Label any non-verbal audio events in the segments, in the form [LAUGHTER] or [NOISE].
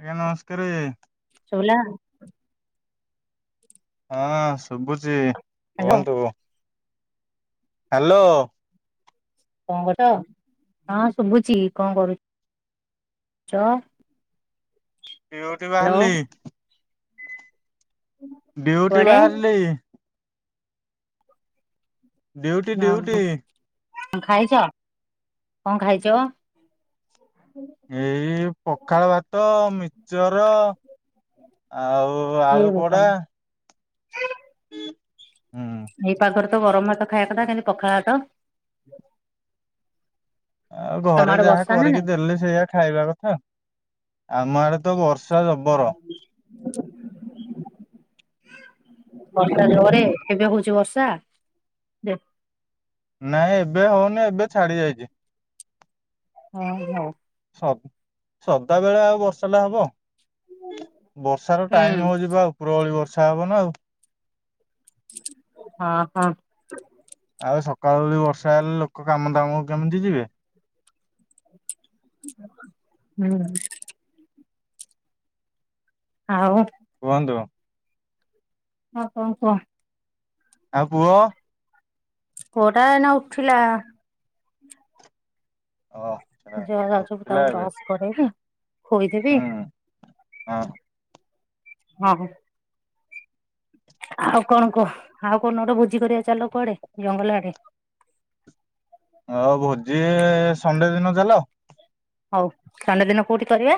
ଆଜ୍ଞା ନମସ୍କାରେ। ଶୁଭିଲା। ହଁ ଶୁଭୁଛି ହ୍ୟାଲୋ କୁହନ୍ତୁ। ହାଲୋ। କଣ କରୁଛ ହଁ ଶୁଭୁଛି କଣ କରୁ ଚ? ଡ଼ିଉଟି ହଁ ବାହାରିଲି। ଡ଼ିଉଟି କଣ ବାହାରିଲି। Duty duty. ଅହଁ। ଖାଇଛ କଣ ଖାଇଛ? ଏଇ ପଖାଳ ଭାତ ମିିଚର ଆଉ ଏ ଆଳୁ ବୋପା ପୋଡା ମା। ହୁଁ। ଏଇ ପାଗରେ ତ ଗରମ ଭାତ ଖାଇବା କଥା କେମିତି ପଖାଳ ଭାତ। ଆଉ ତମ ଘରେ ଆଡେ ଯାହା ବର୍ଷା ନା କରିକି ନାଇଁ? ଦେଲେ ସେଇଆ ଖାଇବା କଥା ଆମ ଆଡେ ତ ବର୍ଷା ଜବର। ବର୍ଷା ଜୋରେ ଏବେ ହଉଛି ବର୍ଷା। ନାଇଁ ଏବେ ହଉନି ଏବେ ଛାଡି ଯାଇଛି। ହଁ ହଉ। ହୋଉ ସ ସଦା ବେଳେ ଆଉ ବର୍ଷାଟା ହବ? ବର୍ଷା ର ହୁଁ ଟାଇମ ହଉଚି ପା ଉପରବଳି ବର୍ଷା ହବ ନା ଆଉ। ହଁ ହଁ। ଆଉ ସକାଳଓଳି ବର୍ଷା ହେଲେ ଲୋକ କାମ ଦାମକୁ କେମିତି ଯିବେ। ହୁଁ। ଆଉ କୁହନ୍ତୁ। ହଁ କଣ କୁହ? ଆଉ ପୁଅ ପୁଅଟା ଏଇନା ଉଠିଲା। ଅ ଯା ଯାଉଚି ମୁଁ ତାକୁ ବ୍ରସ୍ କରେଇବି ଖୋଇଦେବି ହୁଁ ଅଁ। ହଁ। ଆଉ କଣ କୁହ ଆଉ କଉ ଦିନ ଗୋଟେ ଭୋଜି କରିବା ଚାଲ କୁଆଡେ ଜଙ୍ଗଲ ଆଡେ। ଆଉ ଭୋଜି ସଣ୍ଡେ ଦିନ ଚାଲ। ହଉ ସଣ୍ଡେ ଦିନ କୋଉଠି କରିବା?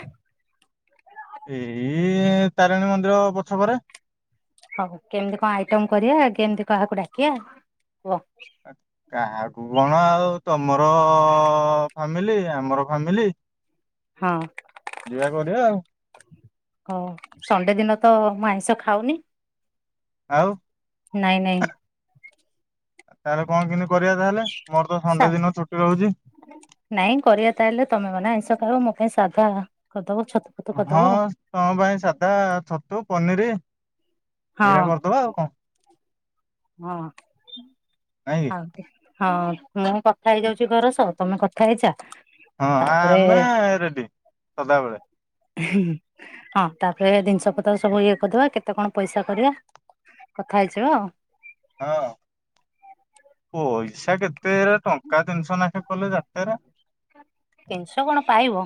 ଏଇଁ ତାରେଣୀ ମନ୍ଦିର ପଛ କରେ। ହଉ କେମିତି କଣ ଆଇଟମ କରିବା କେମିତି କାହାକୁ ଡାକିବା କୁହ କାହାକୁ କଣ ଆଉ ତମର ଫାମିଲି ଆମର ଫାମିଲି ହଁ। ଆଉ ହଉ ସଣ୍ଡେ ଦିନ ତ ମୁଁ ଆଇଁଷ ଖାଉନି ଆଉ ନାଇଁ ନାଇଁ। ତାହେଲେ କଣ କିମିତି କରିବା ତାହେଲେ ମୋର ତ ସା ସଣ୍ଡେ ଦିନ ଛୁଟି ରହୁଚି। ନାଇଁ କରିବା ତାହେଲେ ତମେ ମାନେ ଆଇଁଷ ଖାଇବ ମୋ ପାଇଁ ସାଧା କରିଦବ ଛତ ହଁ ତମ ପାଇଁ ସାଧା ଛତୁ, ପନିରି ଆଉ ଏଇରା କରିଦବା ଆଉ କଣ? ହଁ। ନାଇଁ ହଁ ଆଉ ହଁ ମୁଁ କଥା ହେଇ କି ଯାଉଚି ଘର ସହ ତମେ କଥା ହେଇଯା ହଁ ତାପରେ ଆମେ ରେଡ଼ି ସଦାବେଳେ। ହିଁ ହଁ ତାପରେ ଜିନିଷ ପତ୍ର ସବୁ ଇଏ କରିଦବା କେତେ କଣ ପଇସା କରିବା କଥା ହେଇଯିବା ଆଉ। ହଁ ପଇସା କେତେ ଟଙ୍କା ତିନିଷ ନେଖେ କଲେ ଯାତେରା। ତିନିଶ କଣ ପାଇବ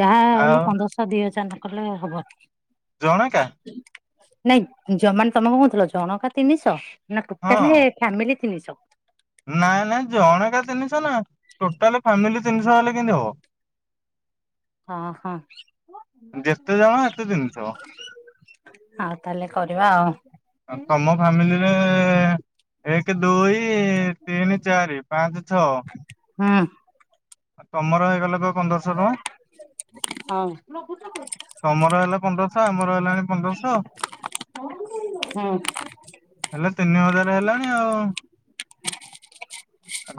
ଯାହା ହେଲେ ଆଉ ପନ୍ଦରଶହ ଦି ହଜାର ନକଲେ ହବନି। ଜଣକା। ନାଇଁ ଜମାନ ତମକୁ କହୁଥିଲ ଜଣକା ତିନିଶ ନା ହଁ ଟୋଟାଲି ହି ଫ୍ୟାମିଲି ତିନିଶ। ନାଇଁ ନାଇଁ ଜଣକା ତିନିଶ ନା ଟୋଟାଲି ଫ୍ୟାମିଲି ତିନିଶ ହେଲେ କେମିତି ହବ। [INAUDIBLE] ହଁ ହଁ। ଯେତେ ଜଣ ସେତେ ତିନିଶହ ଆଉ ତାହେଲେ କରିବା ଆଉ। ତମ ଫ୍ୟାମିଲି ରେ ଏକ ଦୁଇ ତିନି ଚାରି ପାଞ୍ଚ ଛଅ। ହୁଁ। ତମର ହେଇଗଲା ପା ପନ୍ଦରଶ ହଁ। ତମର ହେଲା ପନ୍ଦରଶ ଆମର ହେଲାଣି ପନ୍ଦରଶ। ହୁଁ। ହେଲେ ତିନି ହଜାର ହେଲାଣି ଆଉ।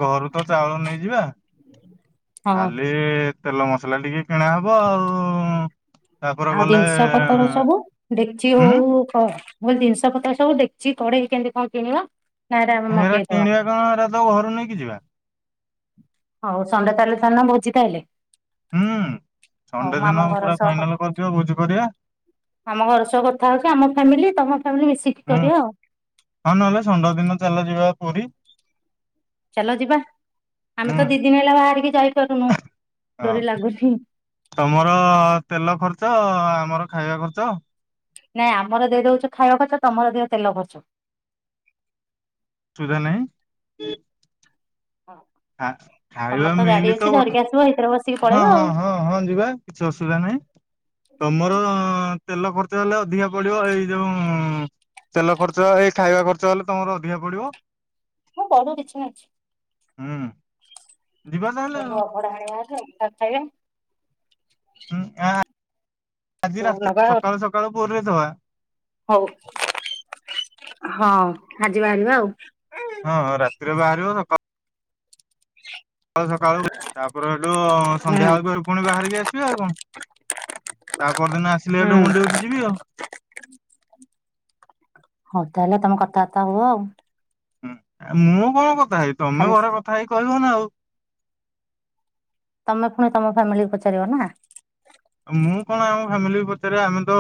ଘରୁ ତ ଚାଉଳ ନେଇଯିବା ହଁ ଖାଲି ଏ ତେଲ ମସଲା ଟିକେ କିଣା ହବ ଆଉ ତାପରେ ଆଉ ଗଲେ ଜିନିଷ ପତର ସବୁ ଡେକଜି ହଉ ହୁଁ କ ମୁଁ କହିଲି ଜିନିଷ ପତ୍ର ସବୁ ଡେକଜି କଢେଇ କେମିତି କଣ କିଣିବା? ନା ଏରା ଆମେ ହେରା ମଗେଇଦବା କିଣିବା କଣ ହେରା ତ ଘରୁ ନେଇକି ଯିବା। ହଉ ସଣ୍ଡେ ତାହେଲେ ଥାନ ଭୋଜି ତାହାଲେ। ହୁଁ ସଣ୍ଡେ ଆମ ଦିନ ଘର ପୁରା ସହ ଫାଇନାଲ କରିଦିଅ ଭୋଜି କରିବା। ଆମ ଘର ସହ କଥା ହଉଚି ଆମ ଫ୍ୟାମିଲି ତମ ଫ୍ୟାମିଲି ମିଶିକି ହୁଁ କରିବା ଆଉ। ହଁ ନହେଲେ ଷଣ୍ଡ ଦିନ ଚାଲ ଯିବା ପୁରୀ। ଚାଲ ଯିବା ଆମେ ହୁଁ ତ ଦି ଦିନ ହେଲା ବାହାରିକି ଯାଇପାରୁନୁ ହଁ ଡୋରି ଲାଗୁନି। ତମର ତେଲ ଖଚ୍ଛ ଆମର ଖାଇବା ଖର୍ଚ୍ଚ। ନାଇଁ ଆମର ଦେଇ ଦଉଚୁ ଖାଇବା ଖର୍ଚ୍ଚ ତମର ଦିଅ ତେଲ ଖର୍ଚ୍ଚ। ସୁୁଧା ନାଇଁ। [UNINTELLIGIBLE] ହଁ। ଆ ଖାଇବା ମିିଲି ତ ଗୋଟେ ଆସିବ ଏଇଥିରେ ବସିକି ହଁ ପଳେଇବା ଆଉ ହଁ ହଁ ହଁ ଯିବା କିଛି ଅସୁବିଧା ନାହିଁ ତମର ତେଲ ଖର୍ଚ୍ଚ ହେଲେ ଅଧିକା ପଡିବ ହେଇ ଯୋଉ ତେଲ ଖର୍ଚ୍ଚ ହେଇ ଖାଇବା ଖର୍ଚ୍ଚ ହେଲେ ତମର ଅଧିକା ପଡିବ। ମୁଁ ପଡୁ କିଛି ନାହିଁ। ହୁଁ ଯିବା ତାହେଲେ ଆଉ। ଅବଢ଼ା ଆଣିବା ହାରି ତାକୁ ଖାଇବା। ହୁଁ ଗାଁ ଆଜି ତୁ ରାତି ନବା ଆଉ ସକାଳୁ ସକାଳୁ ପୋରେଇ ଦେବା। ହଉ ହଁ ଆଜି ବାହାରିବା ଆଉ। ହଁ ହଁ ରାତିରେ ବାହାରିବ ସକାଳୁ ସକାଳୁ ସକାଳୁ ତାପରେ ହେଠୁ ହୁଁ ସନ୍ଧ୍ୟା ବେଳକୁ ପୁଣି ବାହାରିକି ଆସିବା ଆଉ କଣ? ତା ପରଦିନ ଆସିଲେ ହୁଁ ହେଲେ ମୁଁ ଡିଉଟି ଯିବି ଆଉ। ହଉ ତାହେଲେ ତମେ କଥାବାର୍ତ୍ତା ହୁଅ ଆଉ। ହୁଁ ଆ ମୁଁ କଣ କଥା ହେବି? ତମେ ଖାଲି ଘରେ କଥା ହେଇ କି କହିବ ନା ଆଉ। ତମେ ଫୁଣି ତମ ଫ୍ୟାମିଲି କି ପଚାରିବ ନା। ମୁଁ କଣ ଆମ ଫ୍ୟାମିଲି କୁ ପଚାରିବି ଆମେ ତ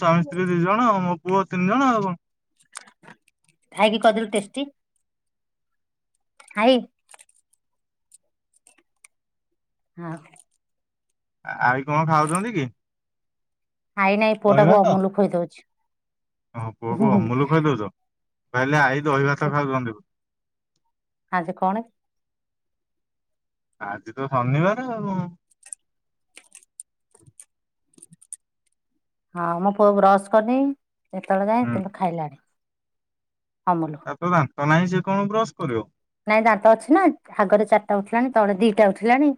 ସ୍ୱାମୀ ସ୍ତ୍ରୀ ଦି ଜଣ ଆ ମୋ ପୁଅ ତିନି ଜଣ ଆଉ କଣ? ଥାଇ କି କହିଦେଲୁ ଟେଷ୍ଟି। ଥାଇ। ହଁ ଅଁ ଆ ଆଈ କଣ ଖାଉଛନ୍ତି କି? ଆଇ ନାଇଁ ଦହି ପୁଅଟାକୁ ଭାତ ଅମୁଲ ଖୋଇଦଉଛି। ତମ ହୁଁ ପୁଅକୁ ହୁଁ ଅମୁଲୁ ଖୁଏଇଦଉଚ। କହିଲି ଆଈ ଦହି ସେ ଭାତ ଖାଉଚନ୍ତି। ଆଜି କଣ? ଆଜି ତ ଶନିବାର ଆଉ ଉ। [INAUDIBLE] ହଁ, ମୋ ପୁଅ ବ୍ରସ୍ କରିନି ଏତେବେଳ ଯାଏଁ ହୁଁ କିନ୍ତୁ ଖାଇଲାଣି ଅମୂଲ। ତାର ତ ଦାନ୍ତ ନାହିଁ ସିଏ କଣ ବ୍ରସ୍ କରିବ। ନାଇଁ ଦାନ୍ତ ଅଛି ନା, ଆଗରେ ଚାରିଟା ଉଠିଲାଣି ତଳେ ଦିଟା ଉଠିଲାଣି।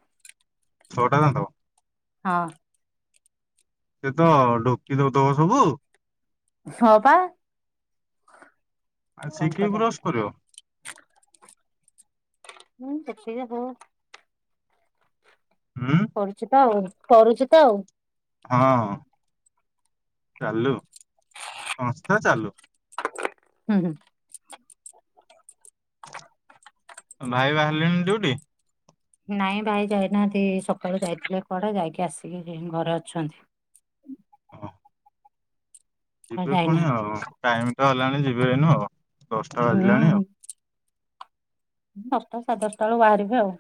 ଛଅ ଟା ଦାନ୍ତ। ହଁ ସେ ତ ଢୋକି ଦେଉଥିବ ସବୁ। ହଁ ପା ଆରେ କଣ ସିଏ କି କରିବା ବ୍ରଶ କରିବ। [UNINTELLIGIBLE] ହୁଁ କରୁଚି ତ ଆଉ। କରୁଚି ତ ଆଉ। ହଁ ଚାଲୁ, ସଂସ୍ଥା ଚାଲୁ। ହୁଁ ହୁଁ। ଭାଇ ବାହାରିଲେଣି ଡିଉଟି? ନାଇଁ ଭାଇ ଯାଇନାହାନ୍ତି ସକାଳୁ ଯାଇଥିଲେ କୁଆଡେ ଯାଇକି ଆସିକି ଏଇନୁ ଘରେ ଅଛନ୍ତି। ହଁ କୁଆଡେ ଯିବେ ଫୁଣି ଯାଇନାହାନ୍ତି ଆଉ, ଟାଇମ ତ ହେଲାଣି ଯିବେ ଏଇନୁ ଆଉ, ଦଶଟା ବାଜିଲାଣି ଆଉ। ହୁଁ ଦଶଟା, ସାଢ଼େ ଦଶଟା ବେଳୁକୁ ବାହାରିବେ ଆଉ।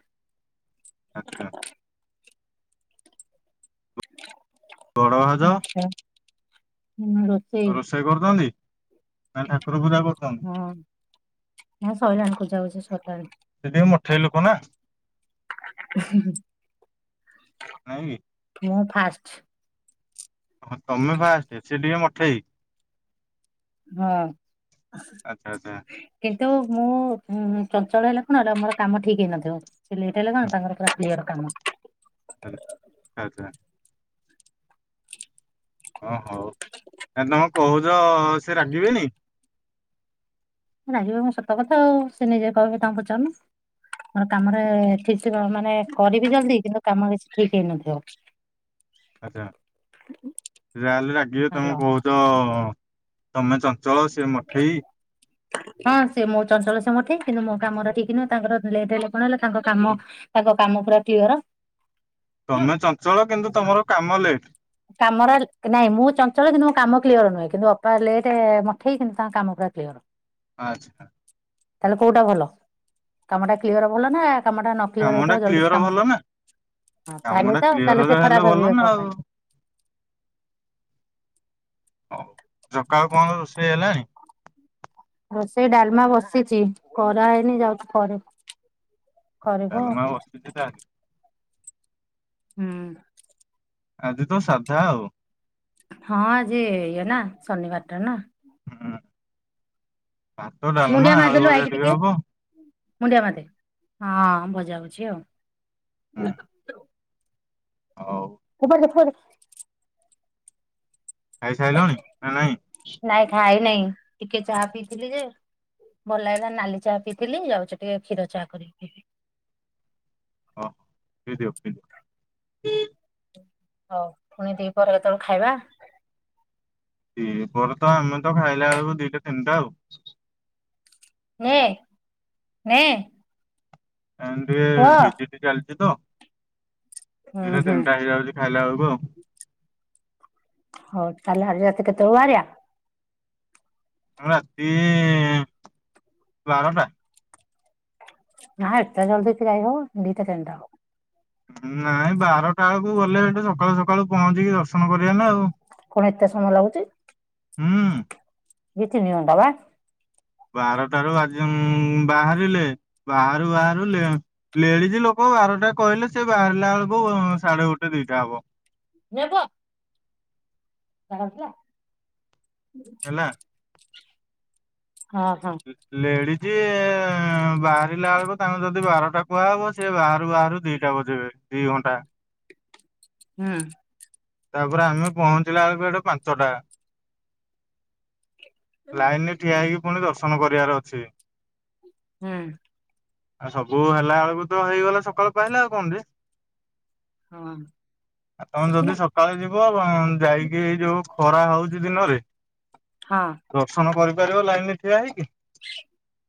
ଆଚ୍ଛା। ବଡ ଭାଉଜ [INAUDIBLE] ଆଉ ରୋଷେଇ କରୁଛନ୍ତି ନା ଠାକୁର ପୂଜା କରୁଛନ୍ତି? ନାଇଁ ସଇଲାଣି ପୂଜାପୁଜି ସରିଲାଣି। ସେ ଟିକେ ମଠେଇ ଲୋକ ନା ହୁଁ ହୁ ନାଇଁ କି? ମୁଁ ଫାଷ୍ଟ। ହଁ, ତମେ ଫାଷ୍ଟ ସିଏ ଟିକେ ମଠେଇ। ହଁ। ଆଚ୍ଛା ଆଚ୍ଛା କିନ୍ତୁ ମୁଁ ଉଁ ଚଞ୍ଚଳ ହେଲେ କଣ ହେଲା ମୋର କାମ ଠିକ୍ ହେଇନଥିବ। ସିଏ ଲେଟ୍ ହେଲେ କଣ ତାଙ୍କର ପୁରା କ୍ଲିୟର କାମ। ଆଚ୍ଛା। ହଁ ହଉ, ତାହାଲେ ତମେ କହୁଛ ସିଏ ରାଗିବେନି। ରାଗିବେ କଣ ସତ କଥା ଆଉ ସେ ନିଜେ କହିବେ ତାଙ୍କୁ ପଚାରୁନ। ମୋର କାମରେ ଠିକ୍ ଥିବ ମାନେ କରିବି ଜଲ୍ଦି କିନ୍ତୁ କାମ କିଛି ଠିକ୍ ହେଇନଥିବ। ଆଚ୍ଛା, ସେ ଯାହା ହେଲେ ରାଗିବେ ତମେ ହ୍ୟାଲୋ କହୁଚ ତମେ ଚ ଚଞ୍ଚଳ ସିଏ ମଠେଇ। ହଁ ସେ ମୁଁ ଚଞ୍ଚଳ ସେ ମଠେଇ, କିନ୍ତୁ ମୋ କାମଟା ଠିକ୍ ନୁହେଁ ତାଙ୍କର ଲେଟ କଣ ହେଲା। ତାଙ୍କ କାମ, ତାଙ୍କ କାମ ପୁରା କ୍ଲିଅର। ତମେ ଚଞ୍ଚଳ କିନ୍ତୁ ତମର କାମ ଲେଟ୍। କାମରା ନାଇଁ ମୁଁ ଚଞ୍ଚଳ କିନ୍ତୁ ମୋ କାମ କ୍ଲିୟର ନୁହେଁ କିନ୍ତୁ ଅପା ଲେଟ୍ ମଠେଇ, କିନ୍ତୁ ତାଙ୍କ କାମ ପୁରା କ୍ଲିୟର। ହା। ଆଚ୍ଛା। ତାହେଲେ କୋଉଟା ଭଲ? କାମଟା କ୍ଲିୟର ଭଲ ନା କାମଟା ନ କ୍ଲିୟର କାମ ହେଇଥିବ ଟା ଜଲଦି କ୍ଲିୟର କାମ ଭଲ ସ ନା ହଁ, କାମ ତାହେଲେ ଟା ତ ତାହେଲେ କ୍ଲିୟରରେ ସିଏ ହେଲେ ଖରାପ ଭଲ ଭାବିବେ ନା କଣ ଆଉ ପାଇଁ। ହଉ। ସକାଳୁ କଣ ରୋଷେଇ ହେଲାଣି? ରୋଷେଇ ଡାଲମା ବସିଚି। କରାହେଇନି ଯାଉଚି କରିବି। ଡାଲମା ବସିଛି ତାହାଲେ। ହୁଁ। ଆଜି ତ ସାଧା ଆଉ। ହଁ ଆଜି ଇଏ ନା ଶନିବାର ଟା ନା। ହୁଁ। ଭାତ, ମୁଣ୍ଡିଆ ଡାଲମା, ଆଳୁ ମାରିଦେଲୁ ଆଇକି ଭଜା, ଟିକେ ହବ। ମୁଣ୍ଡିଆ ମାରିଦେ, ହଁ ଭଜା ହଉଛି ଆଉ। ହୁଁ। ହଉ। ଫୋପାଡ଼ି ଦେ ଫୋପାଡି ଦେ [UNINTELLIGIBLE] ଖାଇ ସାଇଲଣି ନା ନାଇଁ? ନାଇଁ ଖାଇ ନାଇଁ। ଟିକେ ଚାହା ପିଇଥିଲି ଯେ ଭଲ ଲାଗିଲାନି ନାଲି ଚାହା ପିଇଥିଲି। ଯାଉଛି ଟିକେ କ୍ଷୀର ଚାହା କରିକିି ପିଇବି। ହଁ। ପି ଦିଅ, ପି ଦିଅ। ହଉ। ପୁଣି ଦି ପହରେ କେତେବେଳେ ଖାଇବା? ଦି ପହରେ, ତ ଆମେ ତ, ଖାଇଲା ବେଳକୁ ଦିଟା, ତିନିଟା ଆଉ। ନେ ନେ ଏନ୍ ଟିକେ ପୁଅ ଭିଜିଟ ଚାଲିଛି ତ ହୁଁ ଦିଟା ହୁଁ ତିନିଟା ହେଇଯାଉଛି ଖାଇଲା ବେଳକୁ ଆଉ। ହଉ ତାହେଲେ [UNINTELLIGIBLE] କେତେବେଳକୁ ବାହାରିଆ? ମୁଁ ରାତି ବାରଟା। ନାଁ ଏତେ ଜଲଦି କି ଯାଇ ହବ? ଦିଟା ତିନିଟା ହବ। ନାଇଁ ବାରଟା ବେଳକୁ ଗଲେ ସେଠି ସକାଳୁ ସକାଳୁ ପହଞ୍ଚିକି ଦର୍ଶନ କରିବା ନା ଆଉ। କଣ ଏତେ ସମୟ ଲାଗୁଛି? ହୁଁ। ଦି ତିିନି ଘଣ୍ଟା ବା। ବାରଟାରୁ ଆଜି ଉମ୍ ବାହାରିଲେ ବାହାରୁ ବାହାରୁ ଲେ ଲେଡିଜ ଲୋକ ବାରଟା କହିଲେ ସେ ବାହାରିଲା ବେଳକୁ ସାଢେ ଗୋଟେ ଦିଟା ହବ। ନେବ? [UNINTELLIGIBLE] ହେଲା। ହଁ ହଁ। ଲେଡିଜି ବାହାରିଲା ବେଳକୁ ତାଙ୍କୁ ଯଦି ବାରଟା କୁହାହବ ସିଏ ବାହାରୁ ବାହାରୁ ଦିଟା ବଜେଇବେ। ଦି ଘଣ୍ଟା ହୁଁ। ତାପରେ ଆମେ ପହଞ୍ଚିଲା ବେଳକୁ ସେଠି ପାଞ୍ଚଟା ଲାଇନରେ ଠିଆ ହେଇକି ପୁଣି ଦର୍ଶନ କରିବାର ଅଛି। ହୁଁ। ଆଉ ସବୁ ହେଲା ବେଳକୁ ତ ହେଇଗଲା ସକାଳୁ ପାହିଲା ଆଉ କଣ ଅଛି ଜେ? ହଁ ଆଉ ତମେ ପଶିଲା ଯଦି ସ ସକାଳେ ଯିବ, ଯାଇକି ଏଇ ଯୋଉ ଖରା ହଉଛି ଦିନରେ ହଁ ଦର୍ଶନ କରିପାରିବ ଲାଇନ ରେ ଠିଆ ହେଇକି? [INAUDIBLE]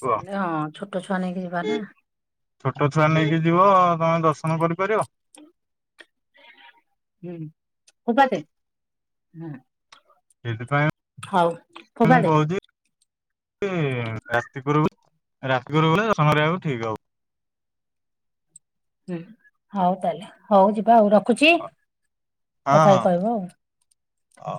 କୁହ? ହଁ ଛୋଟ ଛୁଆ ନେଇକି ଯିବା ନା। ଛୋଟ ଛୁଆ ନେଇକି ଯିବ। ତମେ ଦର୍ଶନ କରିପାରିବ? [INAUDIBLE] [UNINTELLIGIBLE] ସେଥିପାଇଁ, ହଉ ମୁଁ ଫୋପାଡି ଦେ କହୁଛି ଛି ରାତି ପୁରୁ ରାତି ପୁରୁ [UNINTELLIGIBLE] ଦର୍ଶନ କରିବାକୁ ଠିକ ହବ। ହୁଁ ହଉ ତାହେଲେ ହଉ ଯିବା ଆଉ ରଖୁଛି ହବ ହଁ କଥା ହେଇକି ହଁ କହିବ ଆଉ। ହଉ।